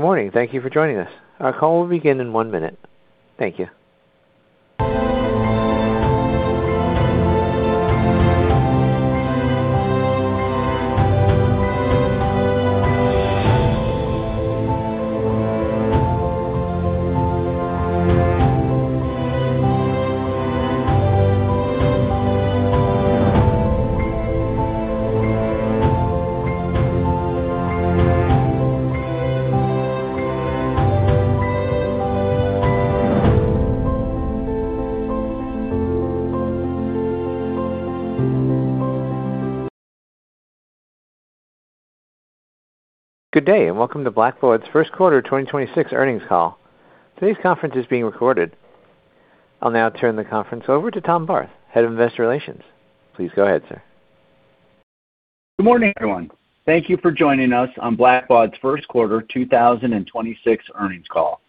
Good morning. Thank you for joining us. Our call will begin in 1 minute. Thank you. Good day, and welcome to Blackbaud's first quarter 2026 earnings call. Today's conference is being recorded. I'll now turn the conference over to Tom Barth, Head of Investor Relations. Please go ahead, sir. Good morning, everyone. Thank you for joining us on Blackbaud's first quarter 2026 earnings call.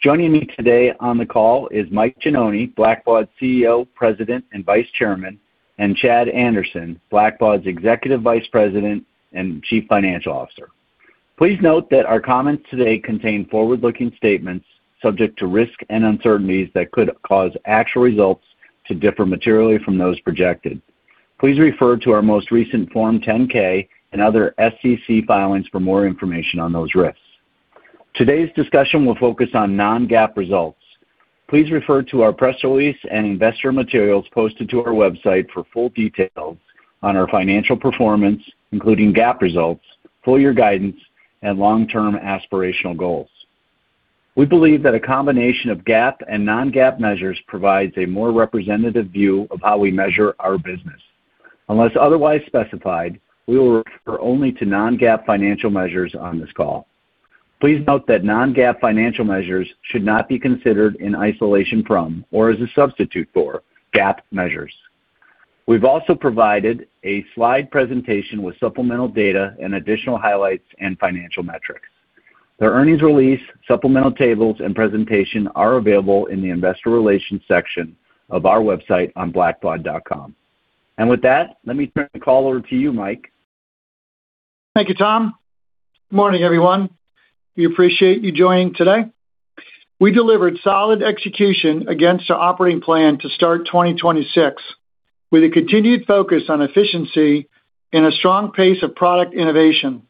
Joining me today on the call is Mike Gianoni, Blackbaud's CEO, President, and Vice Chairman, and Chad Anderson, Blackbaud's Executive Vice President and Chief Financial Officer. Please note that our comments today contain forward-looking statements subject to risks and uncertainties that could cause actual results to differ materially from those projected. Please refer to our most recent Form 10-K and other SEC filings for more information on those risks. Today's discussion will focus on non-GAAP results. Please refer to our press release and investor materials posted to our website for full details on our financial performance, including GAAP results, full year guidance, and long-term aspirational goals. We believe that a combination of GAAP and non-GAAP measures provides a more representative view of how we measure our business. Unless otherwise specified, we will refer only to non-GAAP financial measures on this call. Please note that non-GAAP financial measures should not be considered in isolation from or as a substitute for GAAP measures. We've also provided a slide presentation with supplemental data and additional highlights and financial metrics. The earnings release, supplemental tables, and presentation are available in the investor relations section of our website on blackbaud.com. With that, let me turn the call over to you, Mike. Thank you, Tom. Good morning, everyone. We appreciate you joining today. We delivered solid execution against our operating plan to start 2026 with a continued focus on efficiency and a strong pace of product innovation.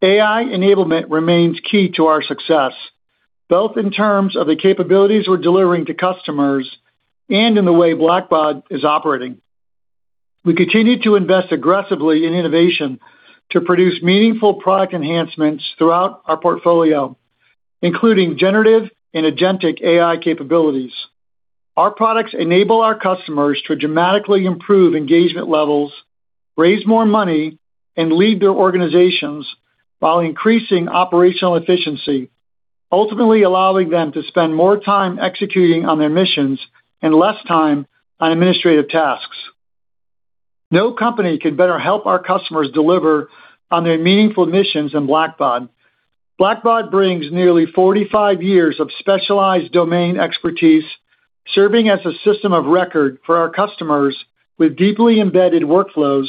AI enablement remains key to our success, both in terms of the capabilities we're delivering to customers and in the way Blackbaud is operating. We continue to invest aggressively in innovation to produce meaningful product enhancements throughout our portfolio, including generative and agentic AI capabilities. Our products enable our customers to dramatically improve engagement levels, raise more money, and lead their organizations while increasing operational efficiency, ultimately allowing them to spend more time executing on their missions and less time on administrative tasks. No company can better help our customers deliver on their meaningful missions than Blackbaud. Blackbaud brings nearly 45 years of specialized domain expertise, serving as a system of record for our customers with deeply embedded workflows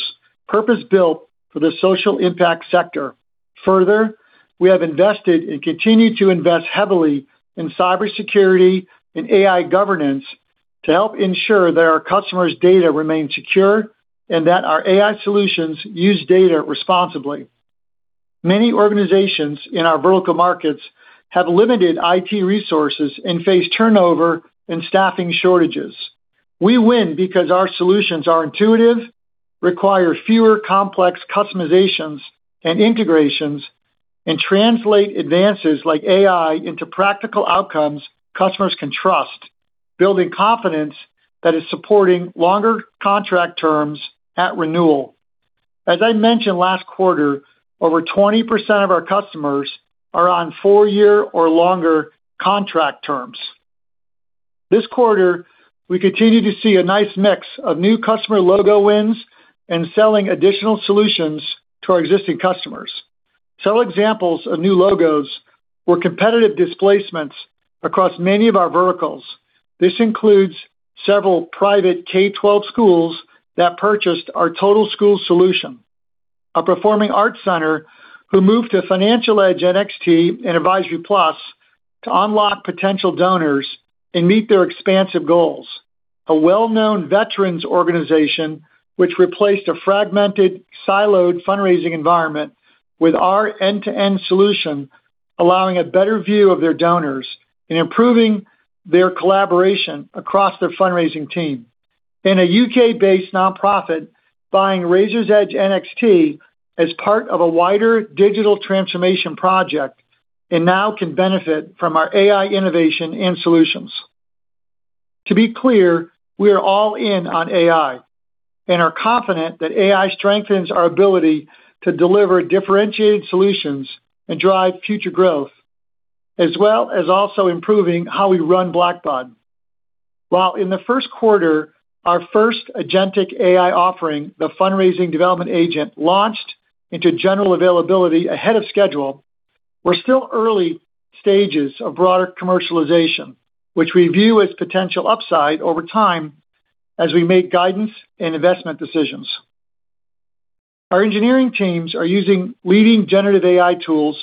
purpose-built for the social impact sector. Further, we have invested and continue to invest heavily in cybersecurity and AI governance to help ensure that our customers' data remains secure and that our AI solutions use data responsibly. Many organizations in our vertical markets have limited IT resources and face turnover and staffing shortages. We win because our solutions are intuitive, require fewer complex customizations and integrations, and translate advances like AI into practical outcomes customers can trust, building confidence that is supporting longer contract terms at renewal. As I mentioned last quarter, over 20% of our customers are on 4-year or longer contract terms. This quarter, we continue to see a nice mix of new customer logo wins and selling additional solutions to our existing customers. Some examples of new logos were competitive displacements across many of our verticals. This includes several private K-12 schools that purchased our total school solution. A performing arts center who moved to Financial Edge NXT and Blackbaud Advisory+ to unlock potential donors and meet their expansive goals. A well-known veterans organization which replaced a fragmented, siloed fundraising environment with our end-to-end solution, allowing a better view of their donors and improving their collaboration across their fundraising team. A U.K.-based nonprofit buying Raiser's Edge NXT as part of a wider digital transformation project and now can benefit from our AI innovation and solutions. To be clear, we are all in on AI and are confident that AI strengthens our ability to deliver differentiated solutions and drive future growth, as well as also improving how we run Blackbaud. While in the first quarter, our first agentic AI offering, the Fundraising Development Agent, launched into general availability ahead of schedule, we're still early stages of broader commercialization, which we view as potential upside over time as we make guidance and investment decisions. Our engineering teams are using leading generative AI tools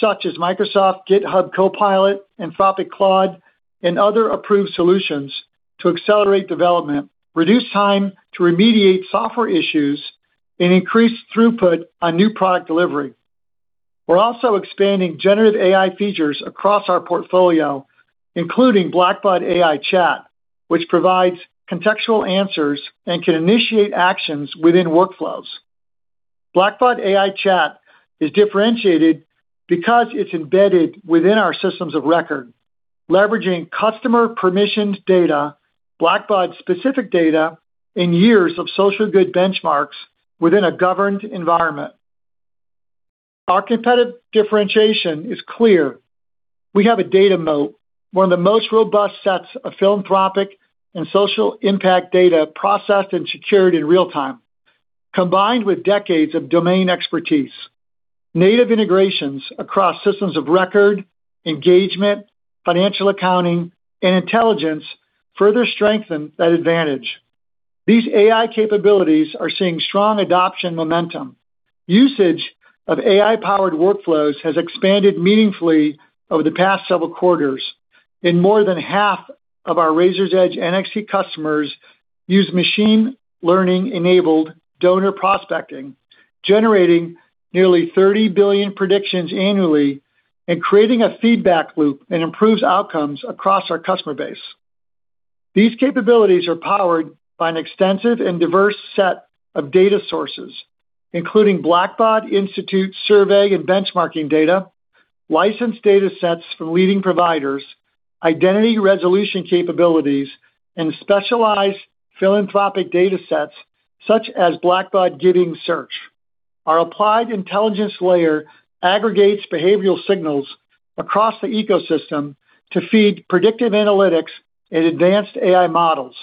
such as Microsoft, GitHub Copilot, Anthropic Claude, and other approved solutions to accelerate development, reduce time to remediate software issues, and increase throughput on new product delivery. We're also expanding generative AI features across our portfolio, including Blackbaud AI Chat, which provides contextual answers and can initiate actions within workflows. Chat for Blackbaud AI is differentiated because it's embedded within our systems of record, leveraging customer permissioned data, Blackbaud-specific data, and years of social good benchmarks within a governed environment. Our competitive differentiation is clear. We have a data moat, one of the most robust sets of philanthropic and social impact data processed and secured in real time, combined with decades of domain expertise. Native integrations across systems of record, engagement, financial accounting, and intelligence further strengthen that advantage. These AI capabilities are seeing strong adoption momentum. Usage of AI-powered workflows has expanded meaningfully over the past several quarters. More than half of our Raiser's Edge NXT customers use machine learning-enabled donor prospecting, generating nearly 30 billion predictions annually and creating a feedback loop and improves outcomes across our customer base. These capabilities are powered by an extensive and diverse set of data sources, including Blackbaud Institute survey and benchmarking data, licensed data sets from leading providers, identity resolution capabilities, and specialized philanthropic data sets such as Blackbaud Giving Search. Our applied intelligence layer aggregates behavioral signals across the ecosystem to feed predictive analytics and advanced AI models,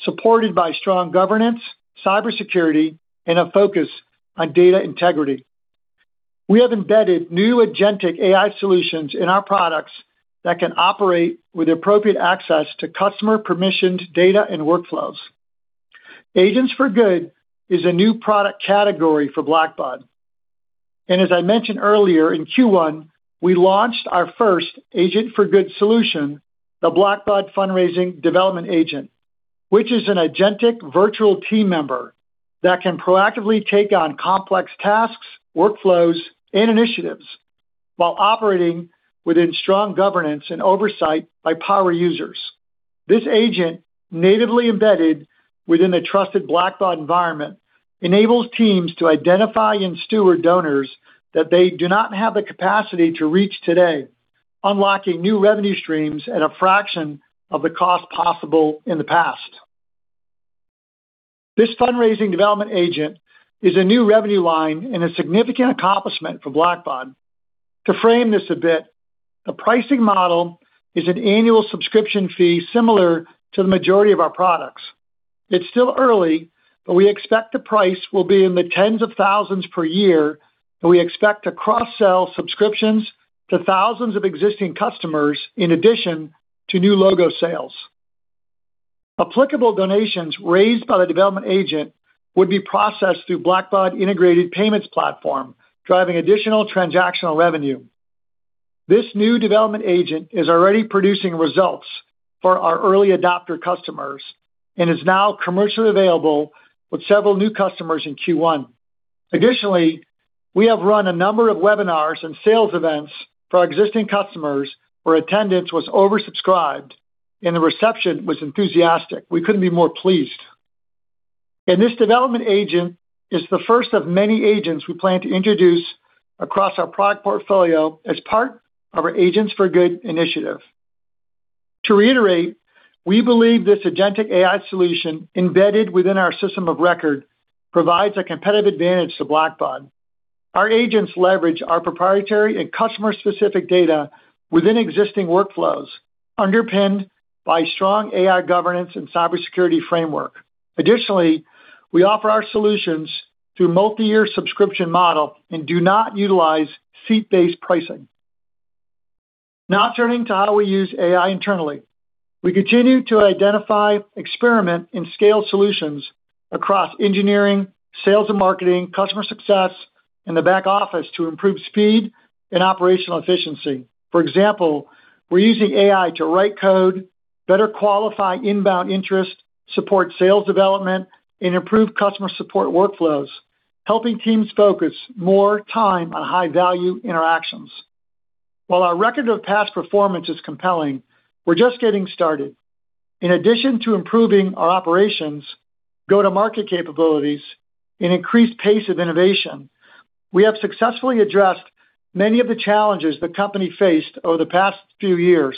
supported by strong governance, cybersecurity, and a focus on data integrity. We have embedded new agentic AI solutions in our products that can operate with appropriate access to customer permissioned data and workflows. Agents for Good is a new product category for Blackbaud. As I mentioned earlier, in Q1, we launched our first Agent for Good solution, the Blackbaud Fundraising Development Agent, which is an agentic virtual team member that can proactively take on complex tasks, workflows, and initiatives while operating within strong governance and oversight by power users. This agent, natively embedded within the trusted Blackbaud environment, enables teams to identify and steward donors that they do not have the capacity to reach today, unlocking new revenue streams at a fraction of the cost possible in the past. This fundraising Development Agent is a new revenue line and a significant accomplishment for Blackbaud. To frame this a bit, the pricing model is an annual subscription fee similar to the majority of our products. It's still early, but we expect the price will be in the tens of thousands per year, and we expect to cross-sell subscriptions to thousands of existing customers in addition to new logo sales. Applicable donations raised by the Development Agent would be processed through Blackbaud integrated payments platform, driving additional transactional revenue. This new Development Agent is already producing results for our early adopter customers and is now commercially available with several new customers in Q1. Additionally, we have run a number of webinars and sales events for our existing customers where attendance was oversubscribed and the reception was enthusiastic. We couldn't be more pleased. This Development Agent is the first of many agents we plan to introduce across our product portfolio as part of our Agents for Good initiative. To reiterate, we believe this agentic AI solution embedded within our system of record provides a competitive advantage to Blackbaud. Our agents leverage our proprietary and customer-specific data within existing workflows underpinned by strong AI governance and cybersecurity framework. Additionally, we offer our solutions through multiyear subscription model and do not utilize seat-based pricing. Now turning to how we use AI internally. We continue to identify, experiment, and scale solutions across engineering, sales and marketing, customer success, and the back office to improve speed and operational efficiency. For example, we're using AI to write code, better qualify inbound interest, support sales development, and improve customer support workflows, helping teams focus more time on high-value interactions. While our record of past performance is compelling, we're just getting started. In addition to improving our operations, go-to-market capabilities, and increased pace of innovation, we have successfully addressed many of the challenges the company faced over the past few years,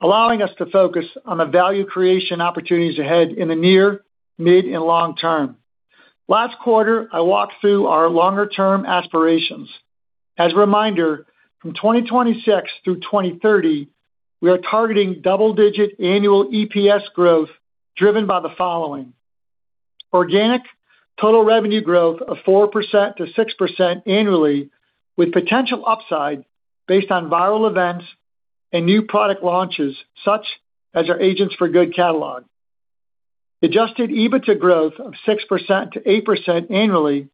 allowing us to focus on the value creation opportunities ahead in the near, mid, and long term. Last quarter, I walked through our longer-term aspirations. As a reminder, from 2026 through 2030, we are targeting double-digit annual EPS growth driven by the following: Organic total revenue growth of 4%-6% annually with potential upside based on viral events-new product launches such as our Agents for Good catalog. Adjusted EBITDA growth of 6%-8% annually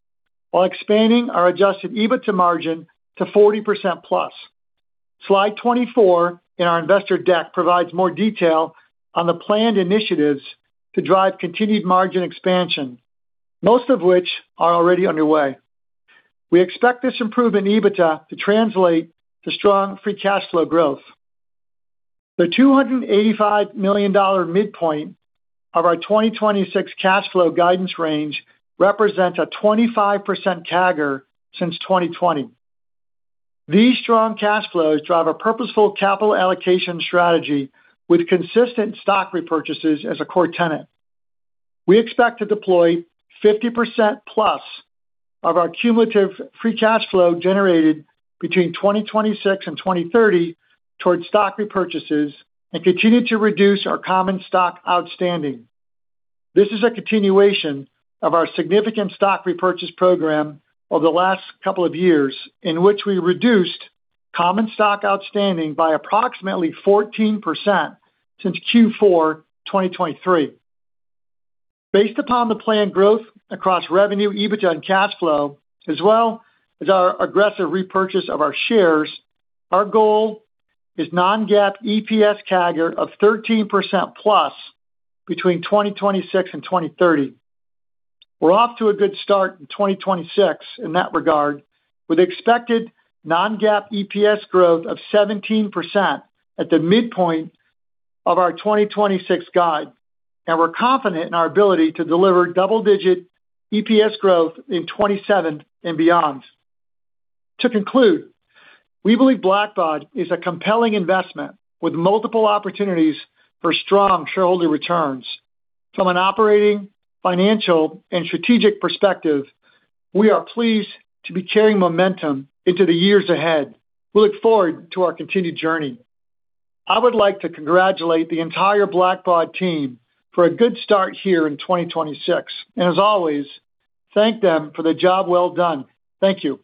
while expanding our adjusted EBITDA margin to 40%+. Slide 24 in our investor deck provides more detail on the planned initiatives to drive continued margin expansion, most of which are already underway. We expect this improvement in EBITDA to translate to strong free cash flow growth. The $285 million midpoint of our 2026 cash flow guidance range represents a 25% CAGR since 2020. These strong cash flows drive a purposeful capital allocation strategy with consistent stock repurchases as a core tenet. We expect to deploy 50%+ of our cumulative free cash flow generated between 2026 and 2030 towards stock repurchases and continue to reduce our common stock outstanding. This is a continuation of our significant stock repurchase program over the last couple of years, in which we reduced common stock outstanding by approximately 14% since Q4 2023. Based upon the planned growth across revenue, EBITDA, and cash flow, as well as our aggressive repurchase of our shares, our goal is non-GAAP EPS CAGR of 13%+ between 2026 and 2030. We're off to a good start in 2026 in that regard, with expected non-GAAP EPS growth of 17% at the midpoint of our 2026 guide. We're confident in our ability to deliver double-digit EPS growth in 2027 and beyond. To conclude, we believe Blackbaud is a compelling investment with multiple opportunities for strong shareholder returns. From an operating, financial, and strategic perspective, we are pleased to be carrying momentum into the years ahead. We look forward to our continued journey. I would like to congratulate the entire Blackbaud team for a good start here in 2026, and as always, thank them for the job well done. Thank you.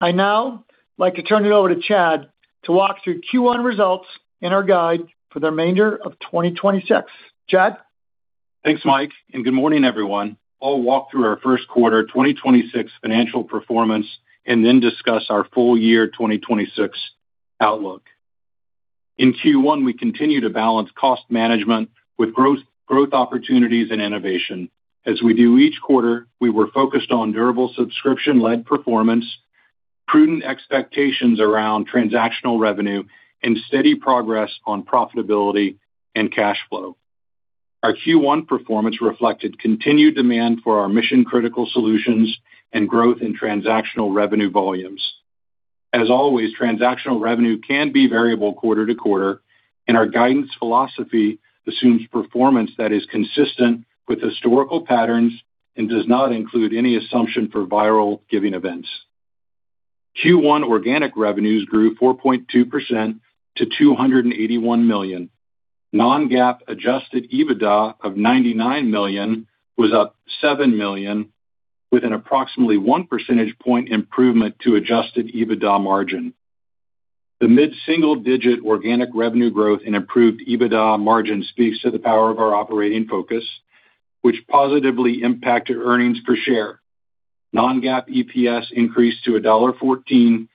I'd now like to turn it over to Chad to walk through Q1 results and our guide for the remainder of 2026. Chad? Thanks, Mike. Good morning, everyone. I'll walk through our first quarter 2026 financial performance and then discuss our full year 2026 outlook. In Q1, we continued to balance cost management with growth opportunities, and innovation. As we do each quarter, we were focused on durable subscription-led performance, prudent expectations around transactional revenue, and steady progress on profitability and cash flow. Our Q1 performance reflected continued demand for our mission-critical solutions and growth in transactional revenue volumes. As always, transactional revenue can be variable quarter-to-quarter, and our guidance philosophy assumes performance that is consistent with historical patterns and does not include any assumption for viral giving events. Q1 organic revenues grew 4.2% to $281 million. Non-GAAP adjusted EBITDA of $99 million was up $7 million, with an approximately 1 percentage point improvement to adjusted EBITDA margin. The mid-single-digit organic revenue growth and improved EBITDA margin speaks to the power of our operating focus, which positively impacted earnings per share. Non-GAAP EPS increased to $1.14,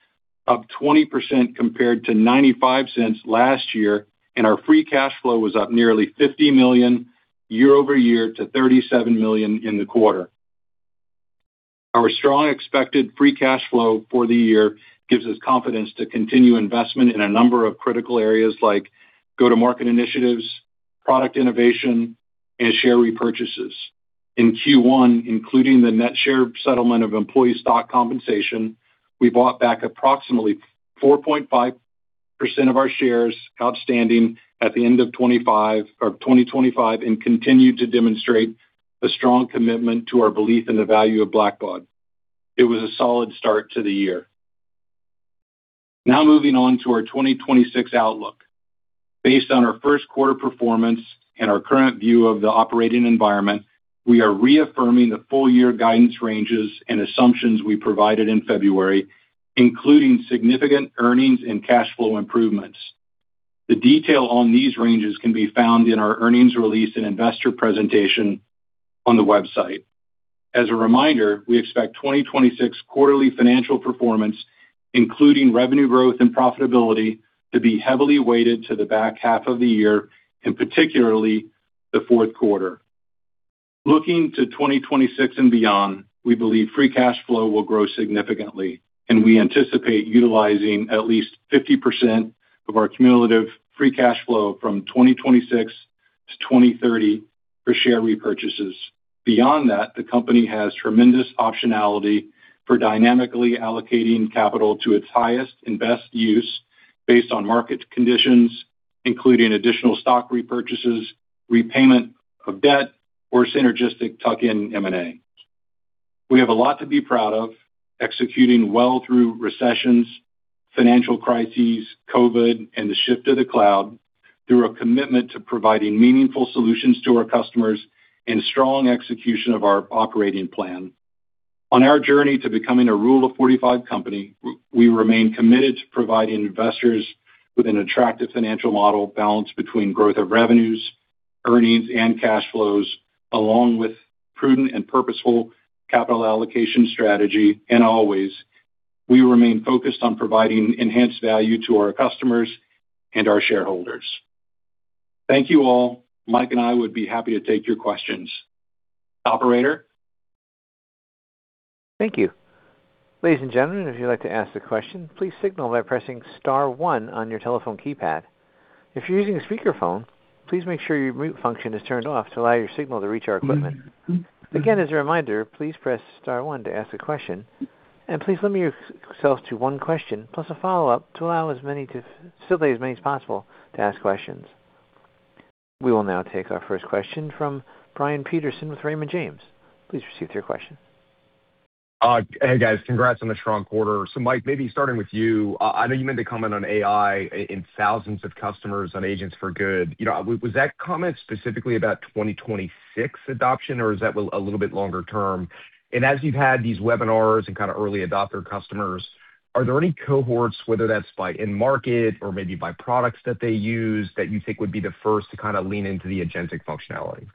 up 20% compared to $0.95 last year, and our free cash flow was up nearly $50 million year-over-year to $37 million in the quarter. Our strong expected free cash flow for the year gives us confidence to continue investment in a number of critical areas like go-to-market initiatives, product innovation, and share repurchases. In Q1, including the net share settlement of employee stock compensation, we bought back approximately 4.5% of our shares outstanding at the end of 2025 and continue to demonstrate a strong commitment to our belief in the value of Blackbaud. It was a solid start to the year. Moving on to our 2026 outlook. Based on our first quarter performance and our current view of the operating environment, we are reaffirming the full-year guidance ranges and assumptions we provided in February, including significant earnings and cash flow improvements. The detail on these ranges can be found in our earnings release and investor presentation on the website. As a reminder, we expect 2026 quarterly financial performance, including revenue growth and profitability, to be heavily weighted to the back half of the year, and particularly the fourth quarter. Looking to 2026 and beyond, we believe free cash flow will grow significantly, and we anticipate utilizing at least 50% of our cumulative free cash flow from 2026 to 2030 for share repurchases. Beyond that, the company has tremendous optionality for dynamically allocating capital to its highest and best use based on market conditions, including additional stock repurchases, repayment of debt, or synergistic tuck-in M&A. We have a lot to be proud of, executing well through recessions, financial crises, COVID, and the shift to the cloud through a commitment to providing meaningful solutions to our customers and strong execution of our operating plan. On our journey to becoming a Rule of 45 company, we remain committed to providing investors with an attractive financial model balanced between growth of revenues, earnings, and cash flows, along with prudent and purposeful capital allocation strategy. Always, we remain focused on providing enhanced value to our customers and our shareholders. Thank you all. Mike and I would be happy to take your questions. Operator? Thank you. Ladies and gentlemen, if you'd like to ask a question, please signal by pressing star one on your telephone keypad. If you're using a speakerphone, please make sure your mute function is turned off to allow your signal to reach our equipment. Again, as a reminder, please press star one to ask a question, and please limit yourself to one question plus a follow-up so that as many as possible to ask questions. We will now take our first question from Brian Peterson with Raymond James. Please proceed with your question. Hey, guys. Congrats on the strong quarter. Mike, maybe starting with you, I know you made the comment on AI in thousands of customers on Agents for Good. You know, was that comment specifically about 2026 adoption, or is that a little bit longer term? And as you've had these webinars and kinda early adopter customers, are there any cohorts, whether that's by end market or maybe by products that they use, that you think would be the first to kinda lean into the agentic functionality?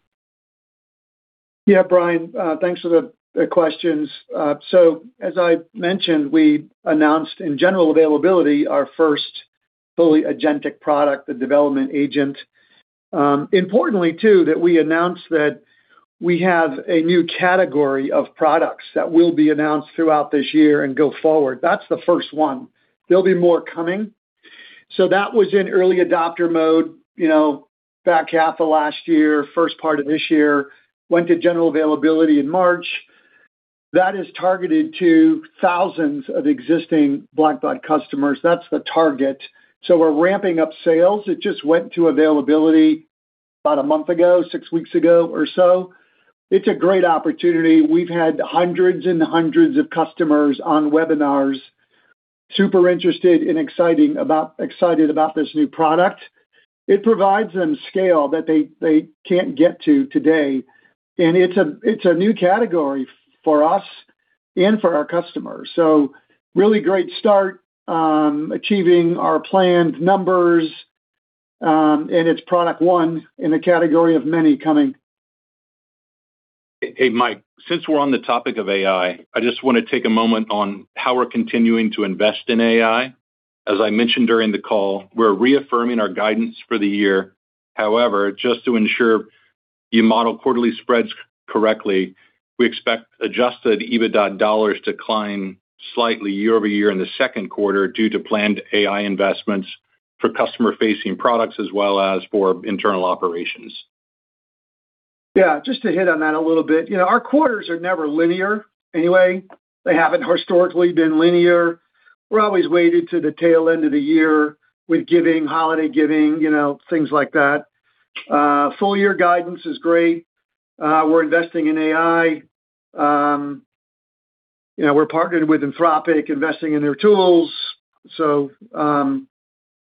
Yeah, Brian, thanks for the questions. As I mentioned, we announced in general availability our first fully agentic product, the Development Agent. Importantly too, we announced that we have a new category of products that will be announced throughout this year and go forward. That's the first one. There'll be more coming. That was in early adopter mode, you know, back half of last year, first part of this year. Went to general availability in March. That is targeted to thousands of existing Blackbaud customers. That's the target. We're ramping up sales. It just went to availability about a month ago, 6 weeks ago or so. It's a great opportunity. We've had hundreds and hundreds of customers on webinars, super interested and excited about this new product. It provides them scale that they can't get to today. It's a new category for us and for our customers. Really great start, achieving our planned numbers, and it's product 1 in a category of many coming. Hey, Mike, since we're on the topic of AI, I just wanna take a moment on how we're continuing to invest in AI. As I mentioned during the call, we're reaffirming our guidance for the year. However, just to ensure you model quarterly spreads correctly, we expect adjusted EBITDA dollars to decline slightly year-over-year in the second quarter due to planned AI investments for customer-facing products as well as for internal operations. Yeah, just to hit on that a little bit. You know, our quarters are never linear anyway. They haven't historically been linear. We're always weighted to the tail end of the year with giving, holiday giving, you know, things like that. Full year guidance is great. We're investing in AI. You know, we're partnered with Anthropic, investing in their tools.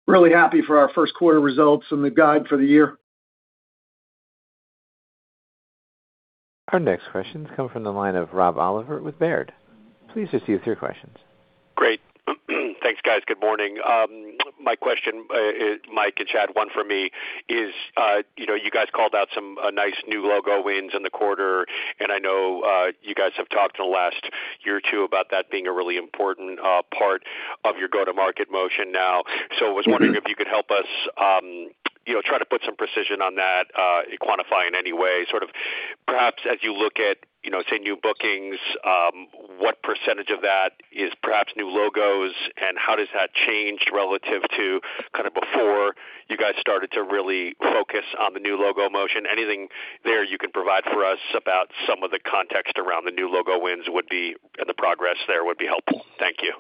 Really happy for our first quarter results and the guide for the year. Our next question comes from the line of Rob Oliver with Baird. Please proceed with your questions. Great. Thanks, guys. Good morning. My question, Mike and Chad, one for me, is, you know, you guys called out some nice new logo wins in the quarter, and I know you guys have talked in the last year or two about that being a really important part of your go-to-market motion now. I was wondering if you could help us, you know, try to put some precision on that, quantify in any way, sort of perhaps as you look at, you know, say, new bookings, what % of that is perhaps new logos, and how does that change relative to kind of before you guys started to really focus on the new logo motion? Anything there you can provide for us about some of the context around the new logo wins would be, and the progress there would be helpful. Thank you.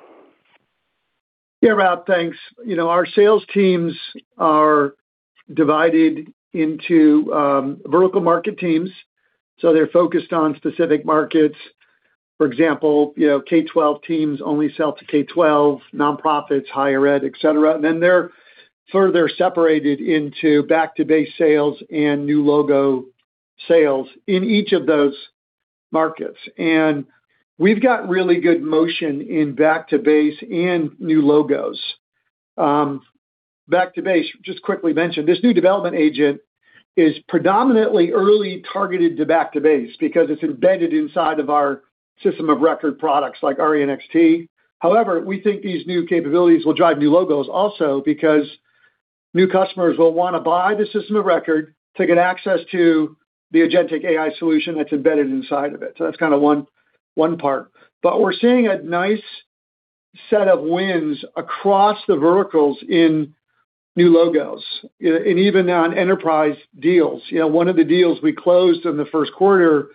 Yeah, Rob, thanks. You know, our sales teams are divided into vertical market teams, so they're focused on specific markets. For example, you know, K-12 teams only sell to K-12, nonprofits, higher ed, et cetera. Then they're further separated into back-to-base sales and new logo sales in each of those markets. We've got really good motion in back to base and new logos. Back to base, just quickly mention, this new Development Agent is predominantly early targeted to back to base because it's embedded inside of our system of record products like RE NXT. However, we think these new capabilities will drive new logos also because new customers will wanna buy the system of record to get access to the agentic AI solution that's embedded inside of it. That's kinda one part. We're seeing a nice set of wins across the verticals in new logos, and even on enterprise deals. You know, one of the deals we closed in the first quarter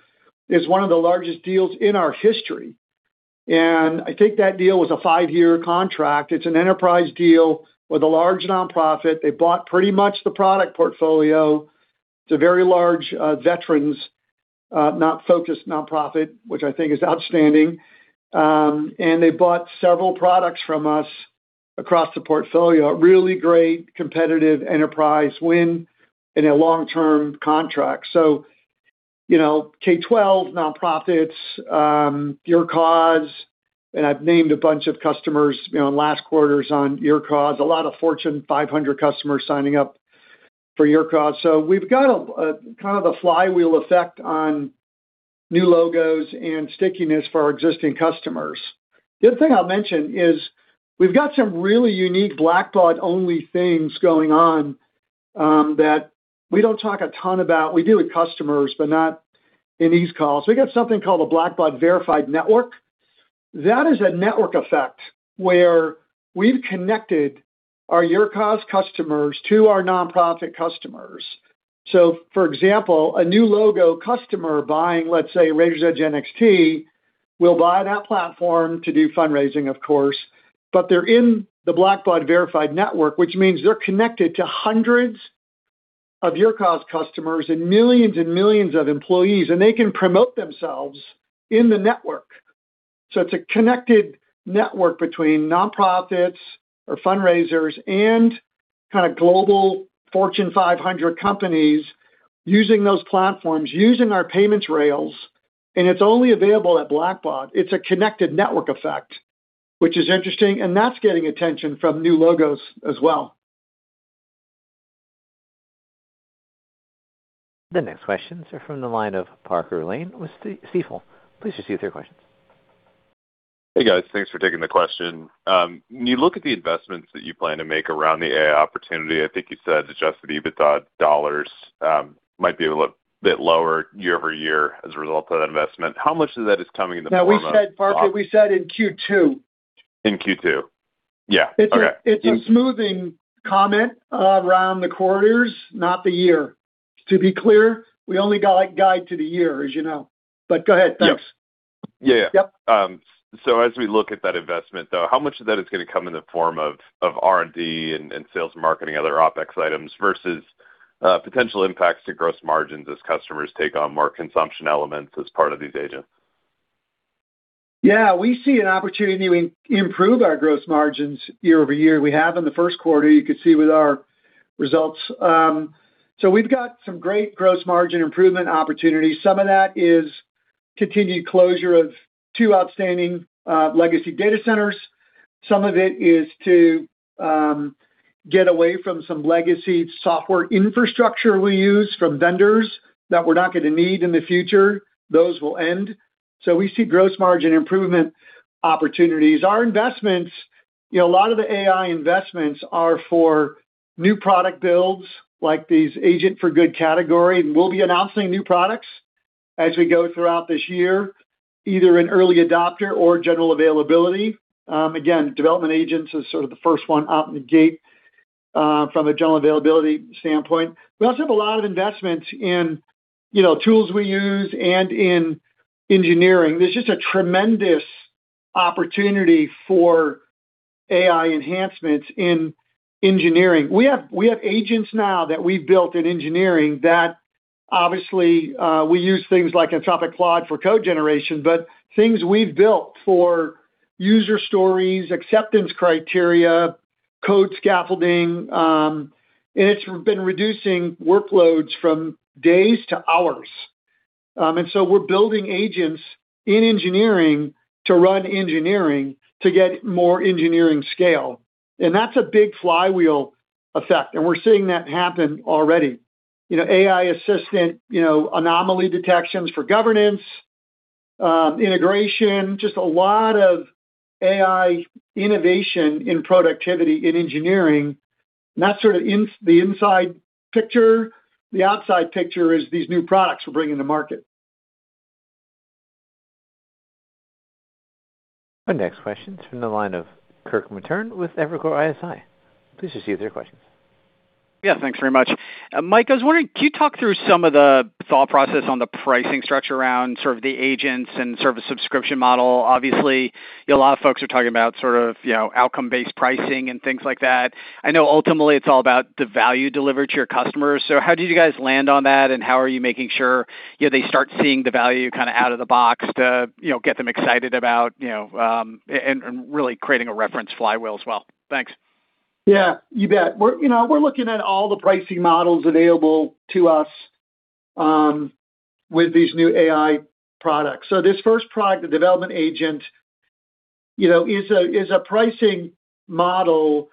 is one of the largest deals in our history, and I think that deal was a 5-year contract. It's an enterprise deal with a large nonprofit. They bought pretty much the product portfolio. It's a very large, veterans, not-focused nonprofit, which I think is outstanding. They bought several products from us. Across the portfolio, a really great competitive enterprise win in a long-term contract. You know, K-12 nonprofits, YourCause, I've named a bunch of customers, you know, in last quarters on YourCause, a lot of Fortune 500 customers signing up for YourCause. We've got a kind of a flywheel effect on new logos and stickiness for our existing customers. The other thing I'll mention is we've got some really unique Blackbaud-only things going on that we don't talk a ton about. We do with customers, but not in these calls. We got something called a Blackbaud Verified Network. That is a network effect where we've connected our YourCause customers to our nonprofit customers. For example, a new logo customer buying, let's say, Raiser's Edge NXT will buy that platform to do fundraising, of course, but they're in the Blackbaud Verified Network, which means they're connected to hundreds of YourCause customers and millions and millions of employees, and they can promote themselves in the network. It's a connected network between nonprofits or fundraisers and kinda global Fortune 500 companies using those platforms, using our payments rails, and it's only available at Blackbaud. It's a connected network effect, which is interesting, and that's getting attention from new logos as well. The next questions are from the line of Parker Lane with Stifel. Please proceed with your questions. Hey, guys. Thanks for taking the question. When you look at the investments that you plan to make around the AI opportunity, I think you said adjusted EBITDA dollars might be a little bit lower year-over-year as a result of that investment. How much of that is coming in the form of- Now we said, Parker, we said in Q2. In Q2. Yeah. Okay. It's a smoothing comment around the quarters, not the year. To be clear, we only go, like, guide to the year, as you know. Go ahead. Thanks. Yeah. Yep. As we look at that investment, though, how much of that is gonna come in the form of R&D and sales and marketing, other OpEx items versus potential impacts to gross margins as customers take on more consumption elements as part of these agents? Yeah. We see an opportunity to improve our gross margins year-over-year. We have in the first quarter, you could see with our results. We've got some great gross margin improvement opportunities. Some of that is continued closure of two outstanding legacy data centers. Some of it is to get away from some legacy software infrastructure we use from vendors that we're not going to need in the future. Those will end. We see gross margin improvement opportunities. Our investments, you know, a lot of the AI investments are for new product builds, like these Agents for Good category. We'll be announcing new products as we go throughout this year, either in early adopter or general availability. Again, Development Agents is sort of the first one out in the gate from a general availability standpoint. We also have a lot of investments in, you know, tools we use and in engineering. There's just a tremendous opportunity for AI enhancements in engineering. We have agents now that we've built in engineering that obviously, we use things like Anthropic Claude for code generation, but things we've built for user stories, acceptance criteria, code scaffolding, and it's been reducing workloads from days to hours. We're building agents in engineering to run engineering to get more engineering scale. That's a big flywheel effect, and we're seeing that happen already. You know, AI assistant, you know, anomaly detections for governance, integration, just a lot of AI innovation in productivity in engineering. That's sort of the inside picture. The outside picture is these new products we're bringing to market. Our next question is from the line of Kirk Materne with Evercore ISI. Please proceed with your questions. Yeah. Thanks very much. Mike, I was wondering, can you talk through some of the thought process on the pricing structure around sort of the agents and sort of the subscription model? Obviously, you know, a lot of folks are talking about sort of, you know, outcome-based pricing and things like that. I know ultimately it's all about the value delivered to your customers. How did you guys land on that, and how are you making sure, you know, they start seeing the value kinda out of the box to, you know, get them excited about, you know, and really creating a reference flywheel as well? Thanks. Yeah. You bet. We're, you know, we're looking at all the pricing models available to us with these new AI products. This first product, the Development Agent, you know, is a pricing model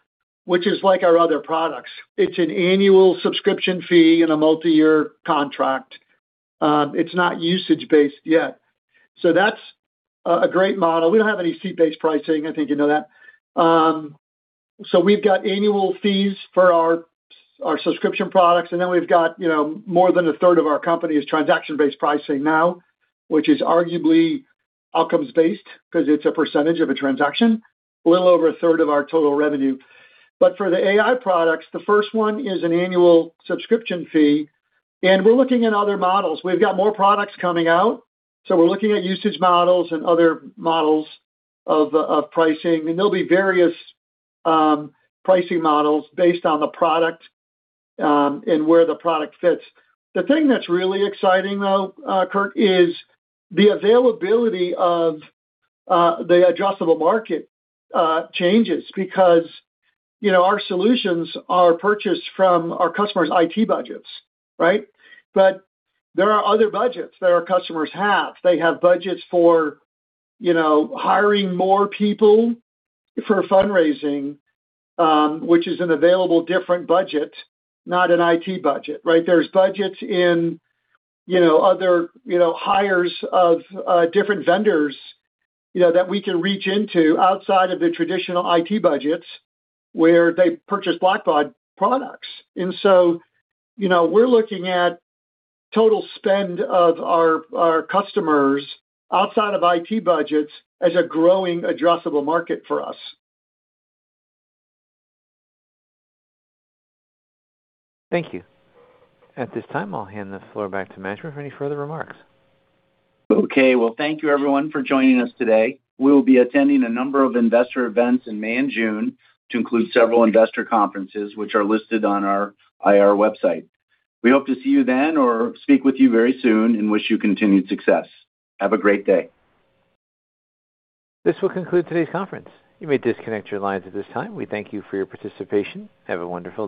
which is like our other products. It's an annual subscription fee in a multi-year contract. It's not usage-based yet. That's a great model. We don't have any seat-based pricing. I think you know that. We've got annual fees for our subscription products, and then we've got, you know, more than a third of our company is transaction-based pricing now, which is arguably outcomes based because it's a percentage of a transaction, a little over a third of our total revenue. For the AI products, the first one is an annual subscription fee, and we're looking at other models. We've got more products coming out, so we're looking at usage models and other models of pricing. There'll be various pricing models based on the product and where the product fits. The thing that's really exciting, though, Kirk, is the availability of the addressable market changes because, you know, our solutions are purchased from our customers' IT budgets, right? There are other budgets that our customers have. They have budgets for, you know, hiring more people for fundraising, which is an available different budget, not an IT budget, right? There's budgets in, you know, other, you know, hires of different vendors, you know, that we can reach into outside of the traditional IT budgets where they purchase Blackbaud products. You know, we're looking at total spend of our customers outside of IT budgets as a growing addressable market for us. Thank you. At this time, I'll hand the floor back to management for any further remarks. Okay. Well, thank you everyone for joining us today. We'll be attending a number of investor events in May and June to include several investor conferences, which are listed on our IR website. We hope to see you then or speak with you very soon and wish you continued success. Have a great day. This will conclude today's conference. You may disconnect your lines at this time. We thank you for your participation. Have a wonderful day.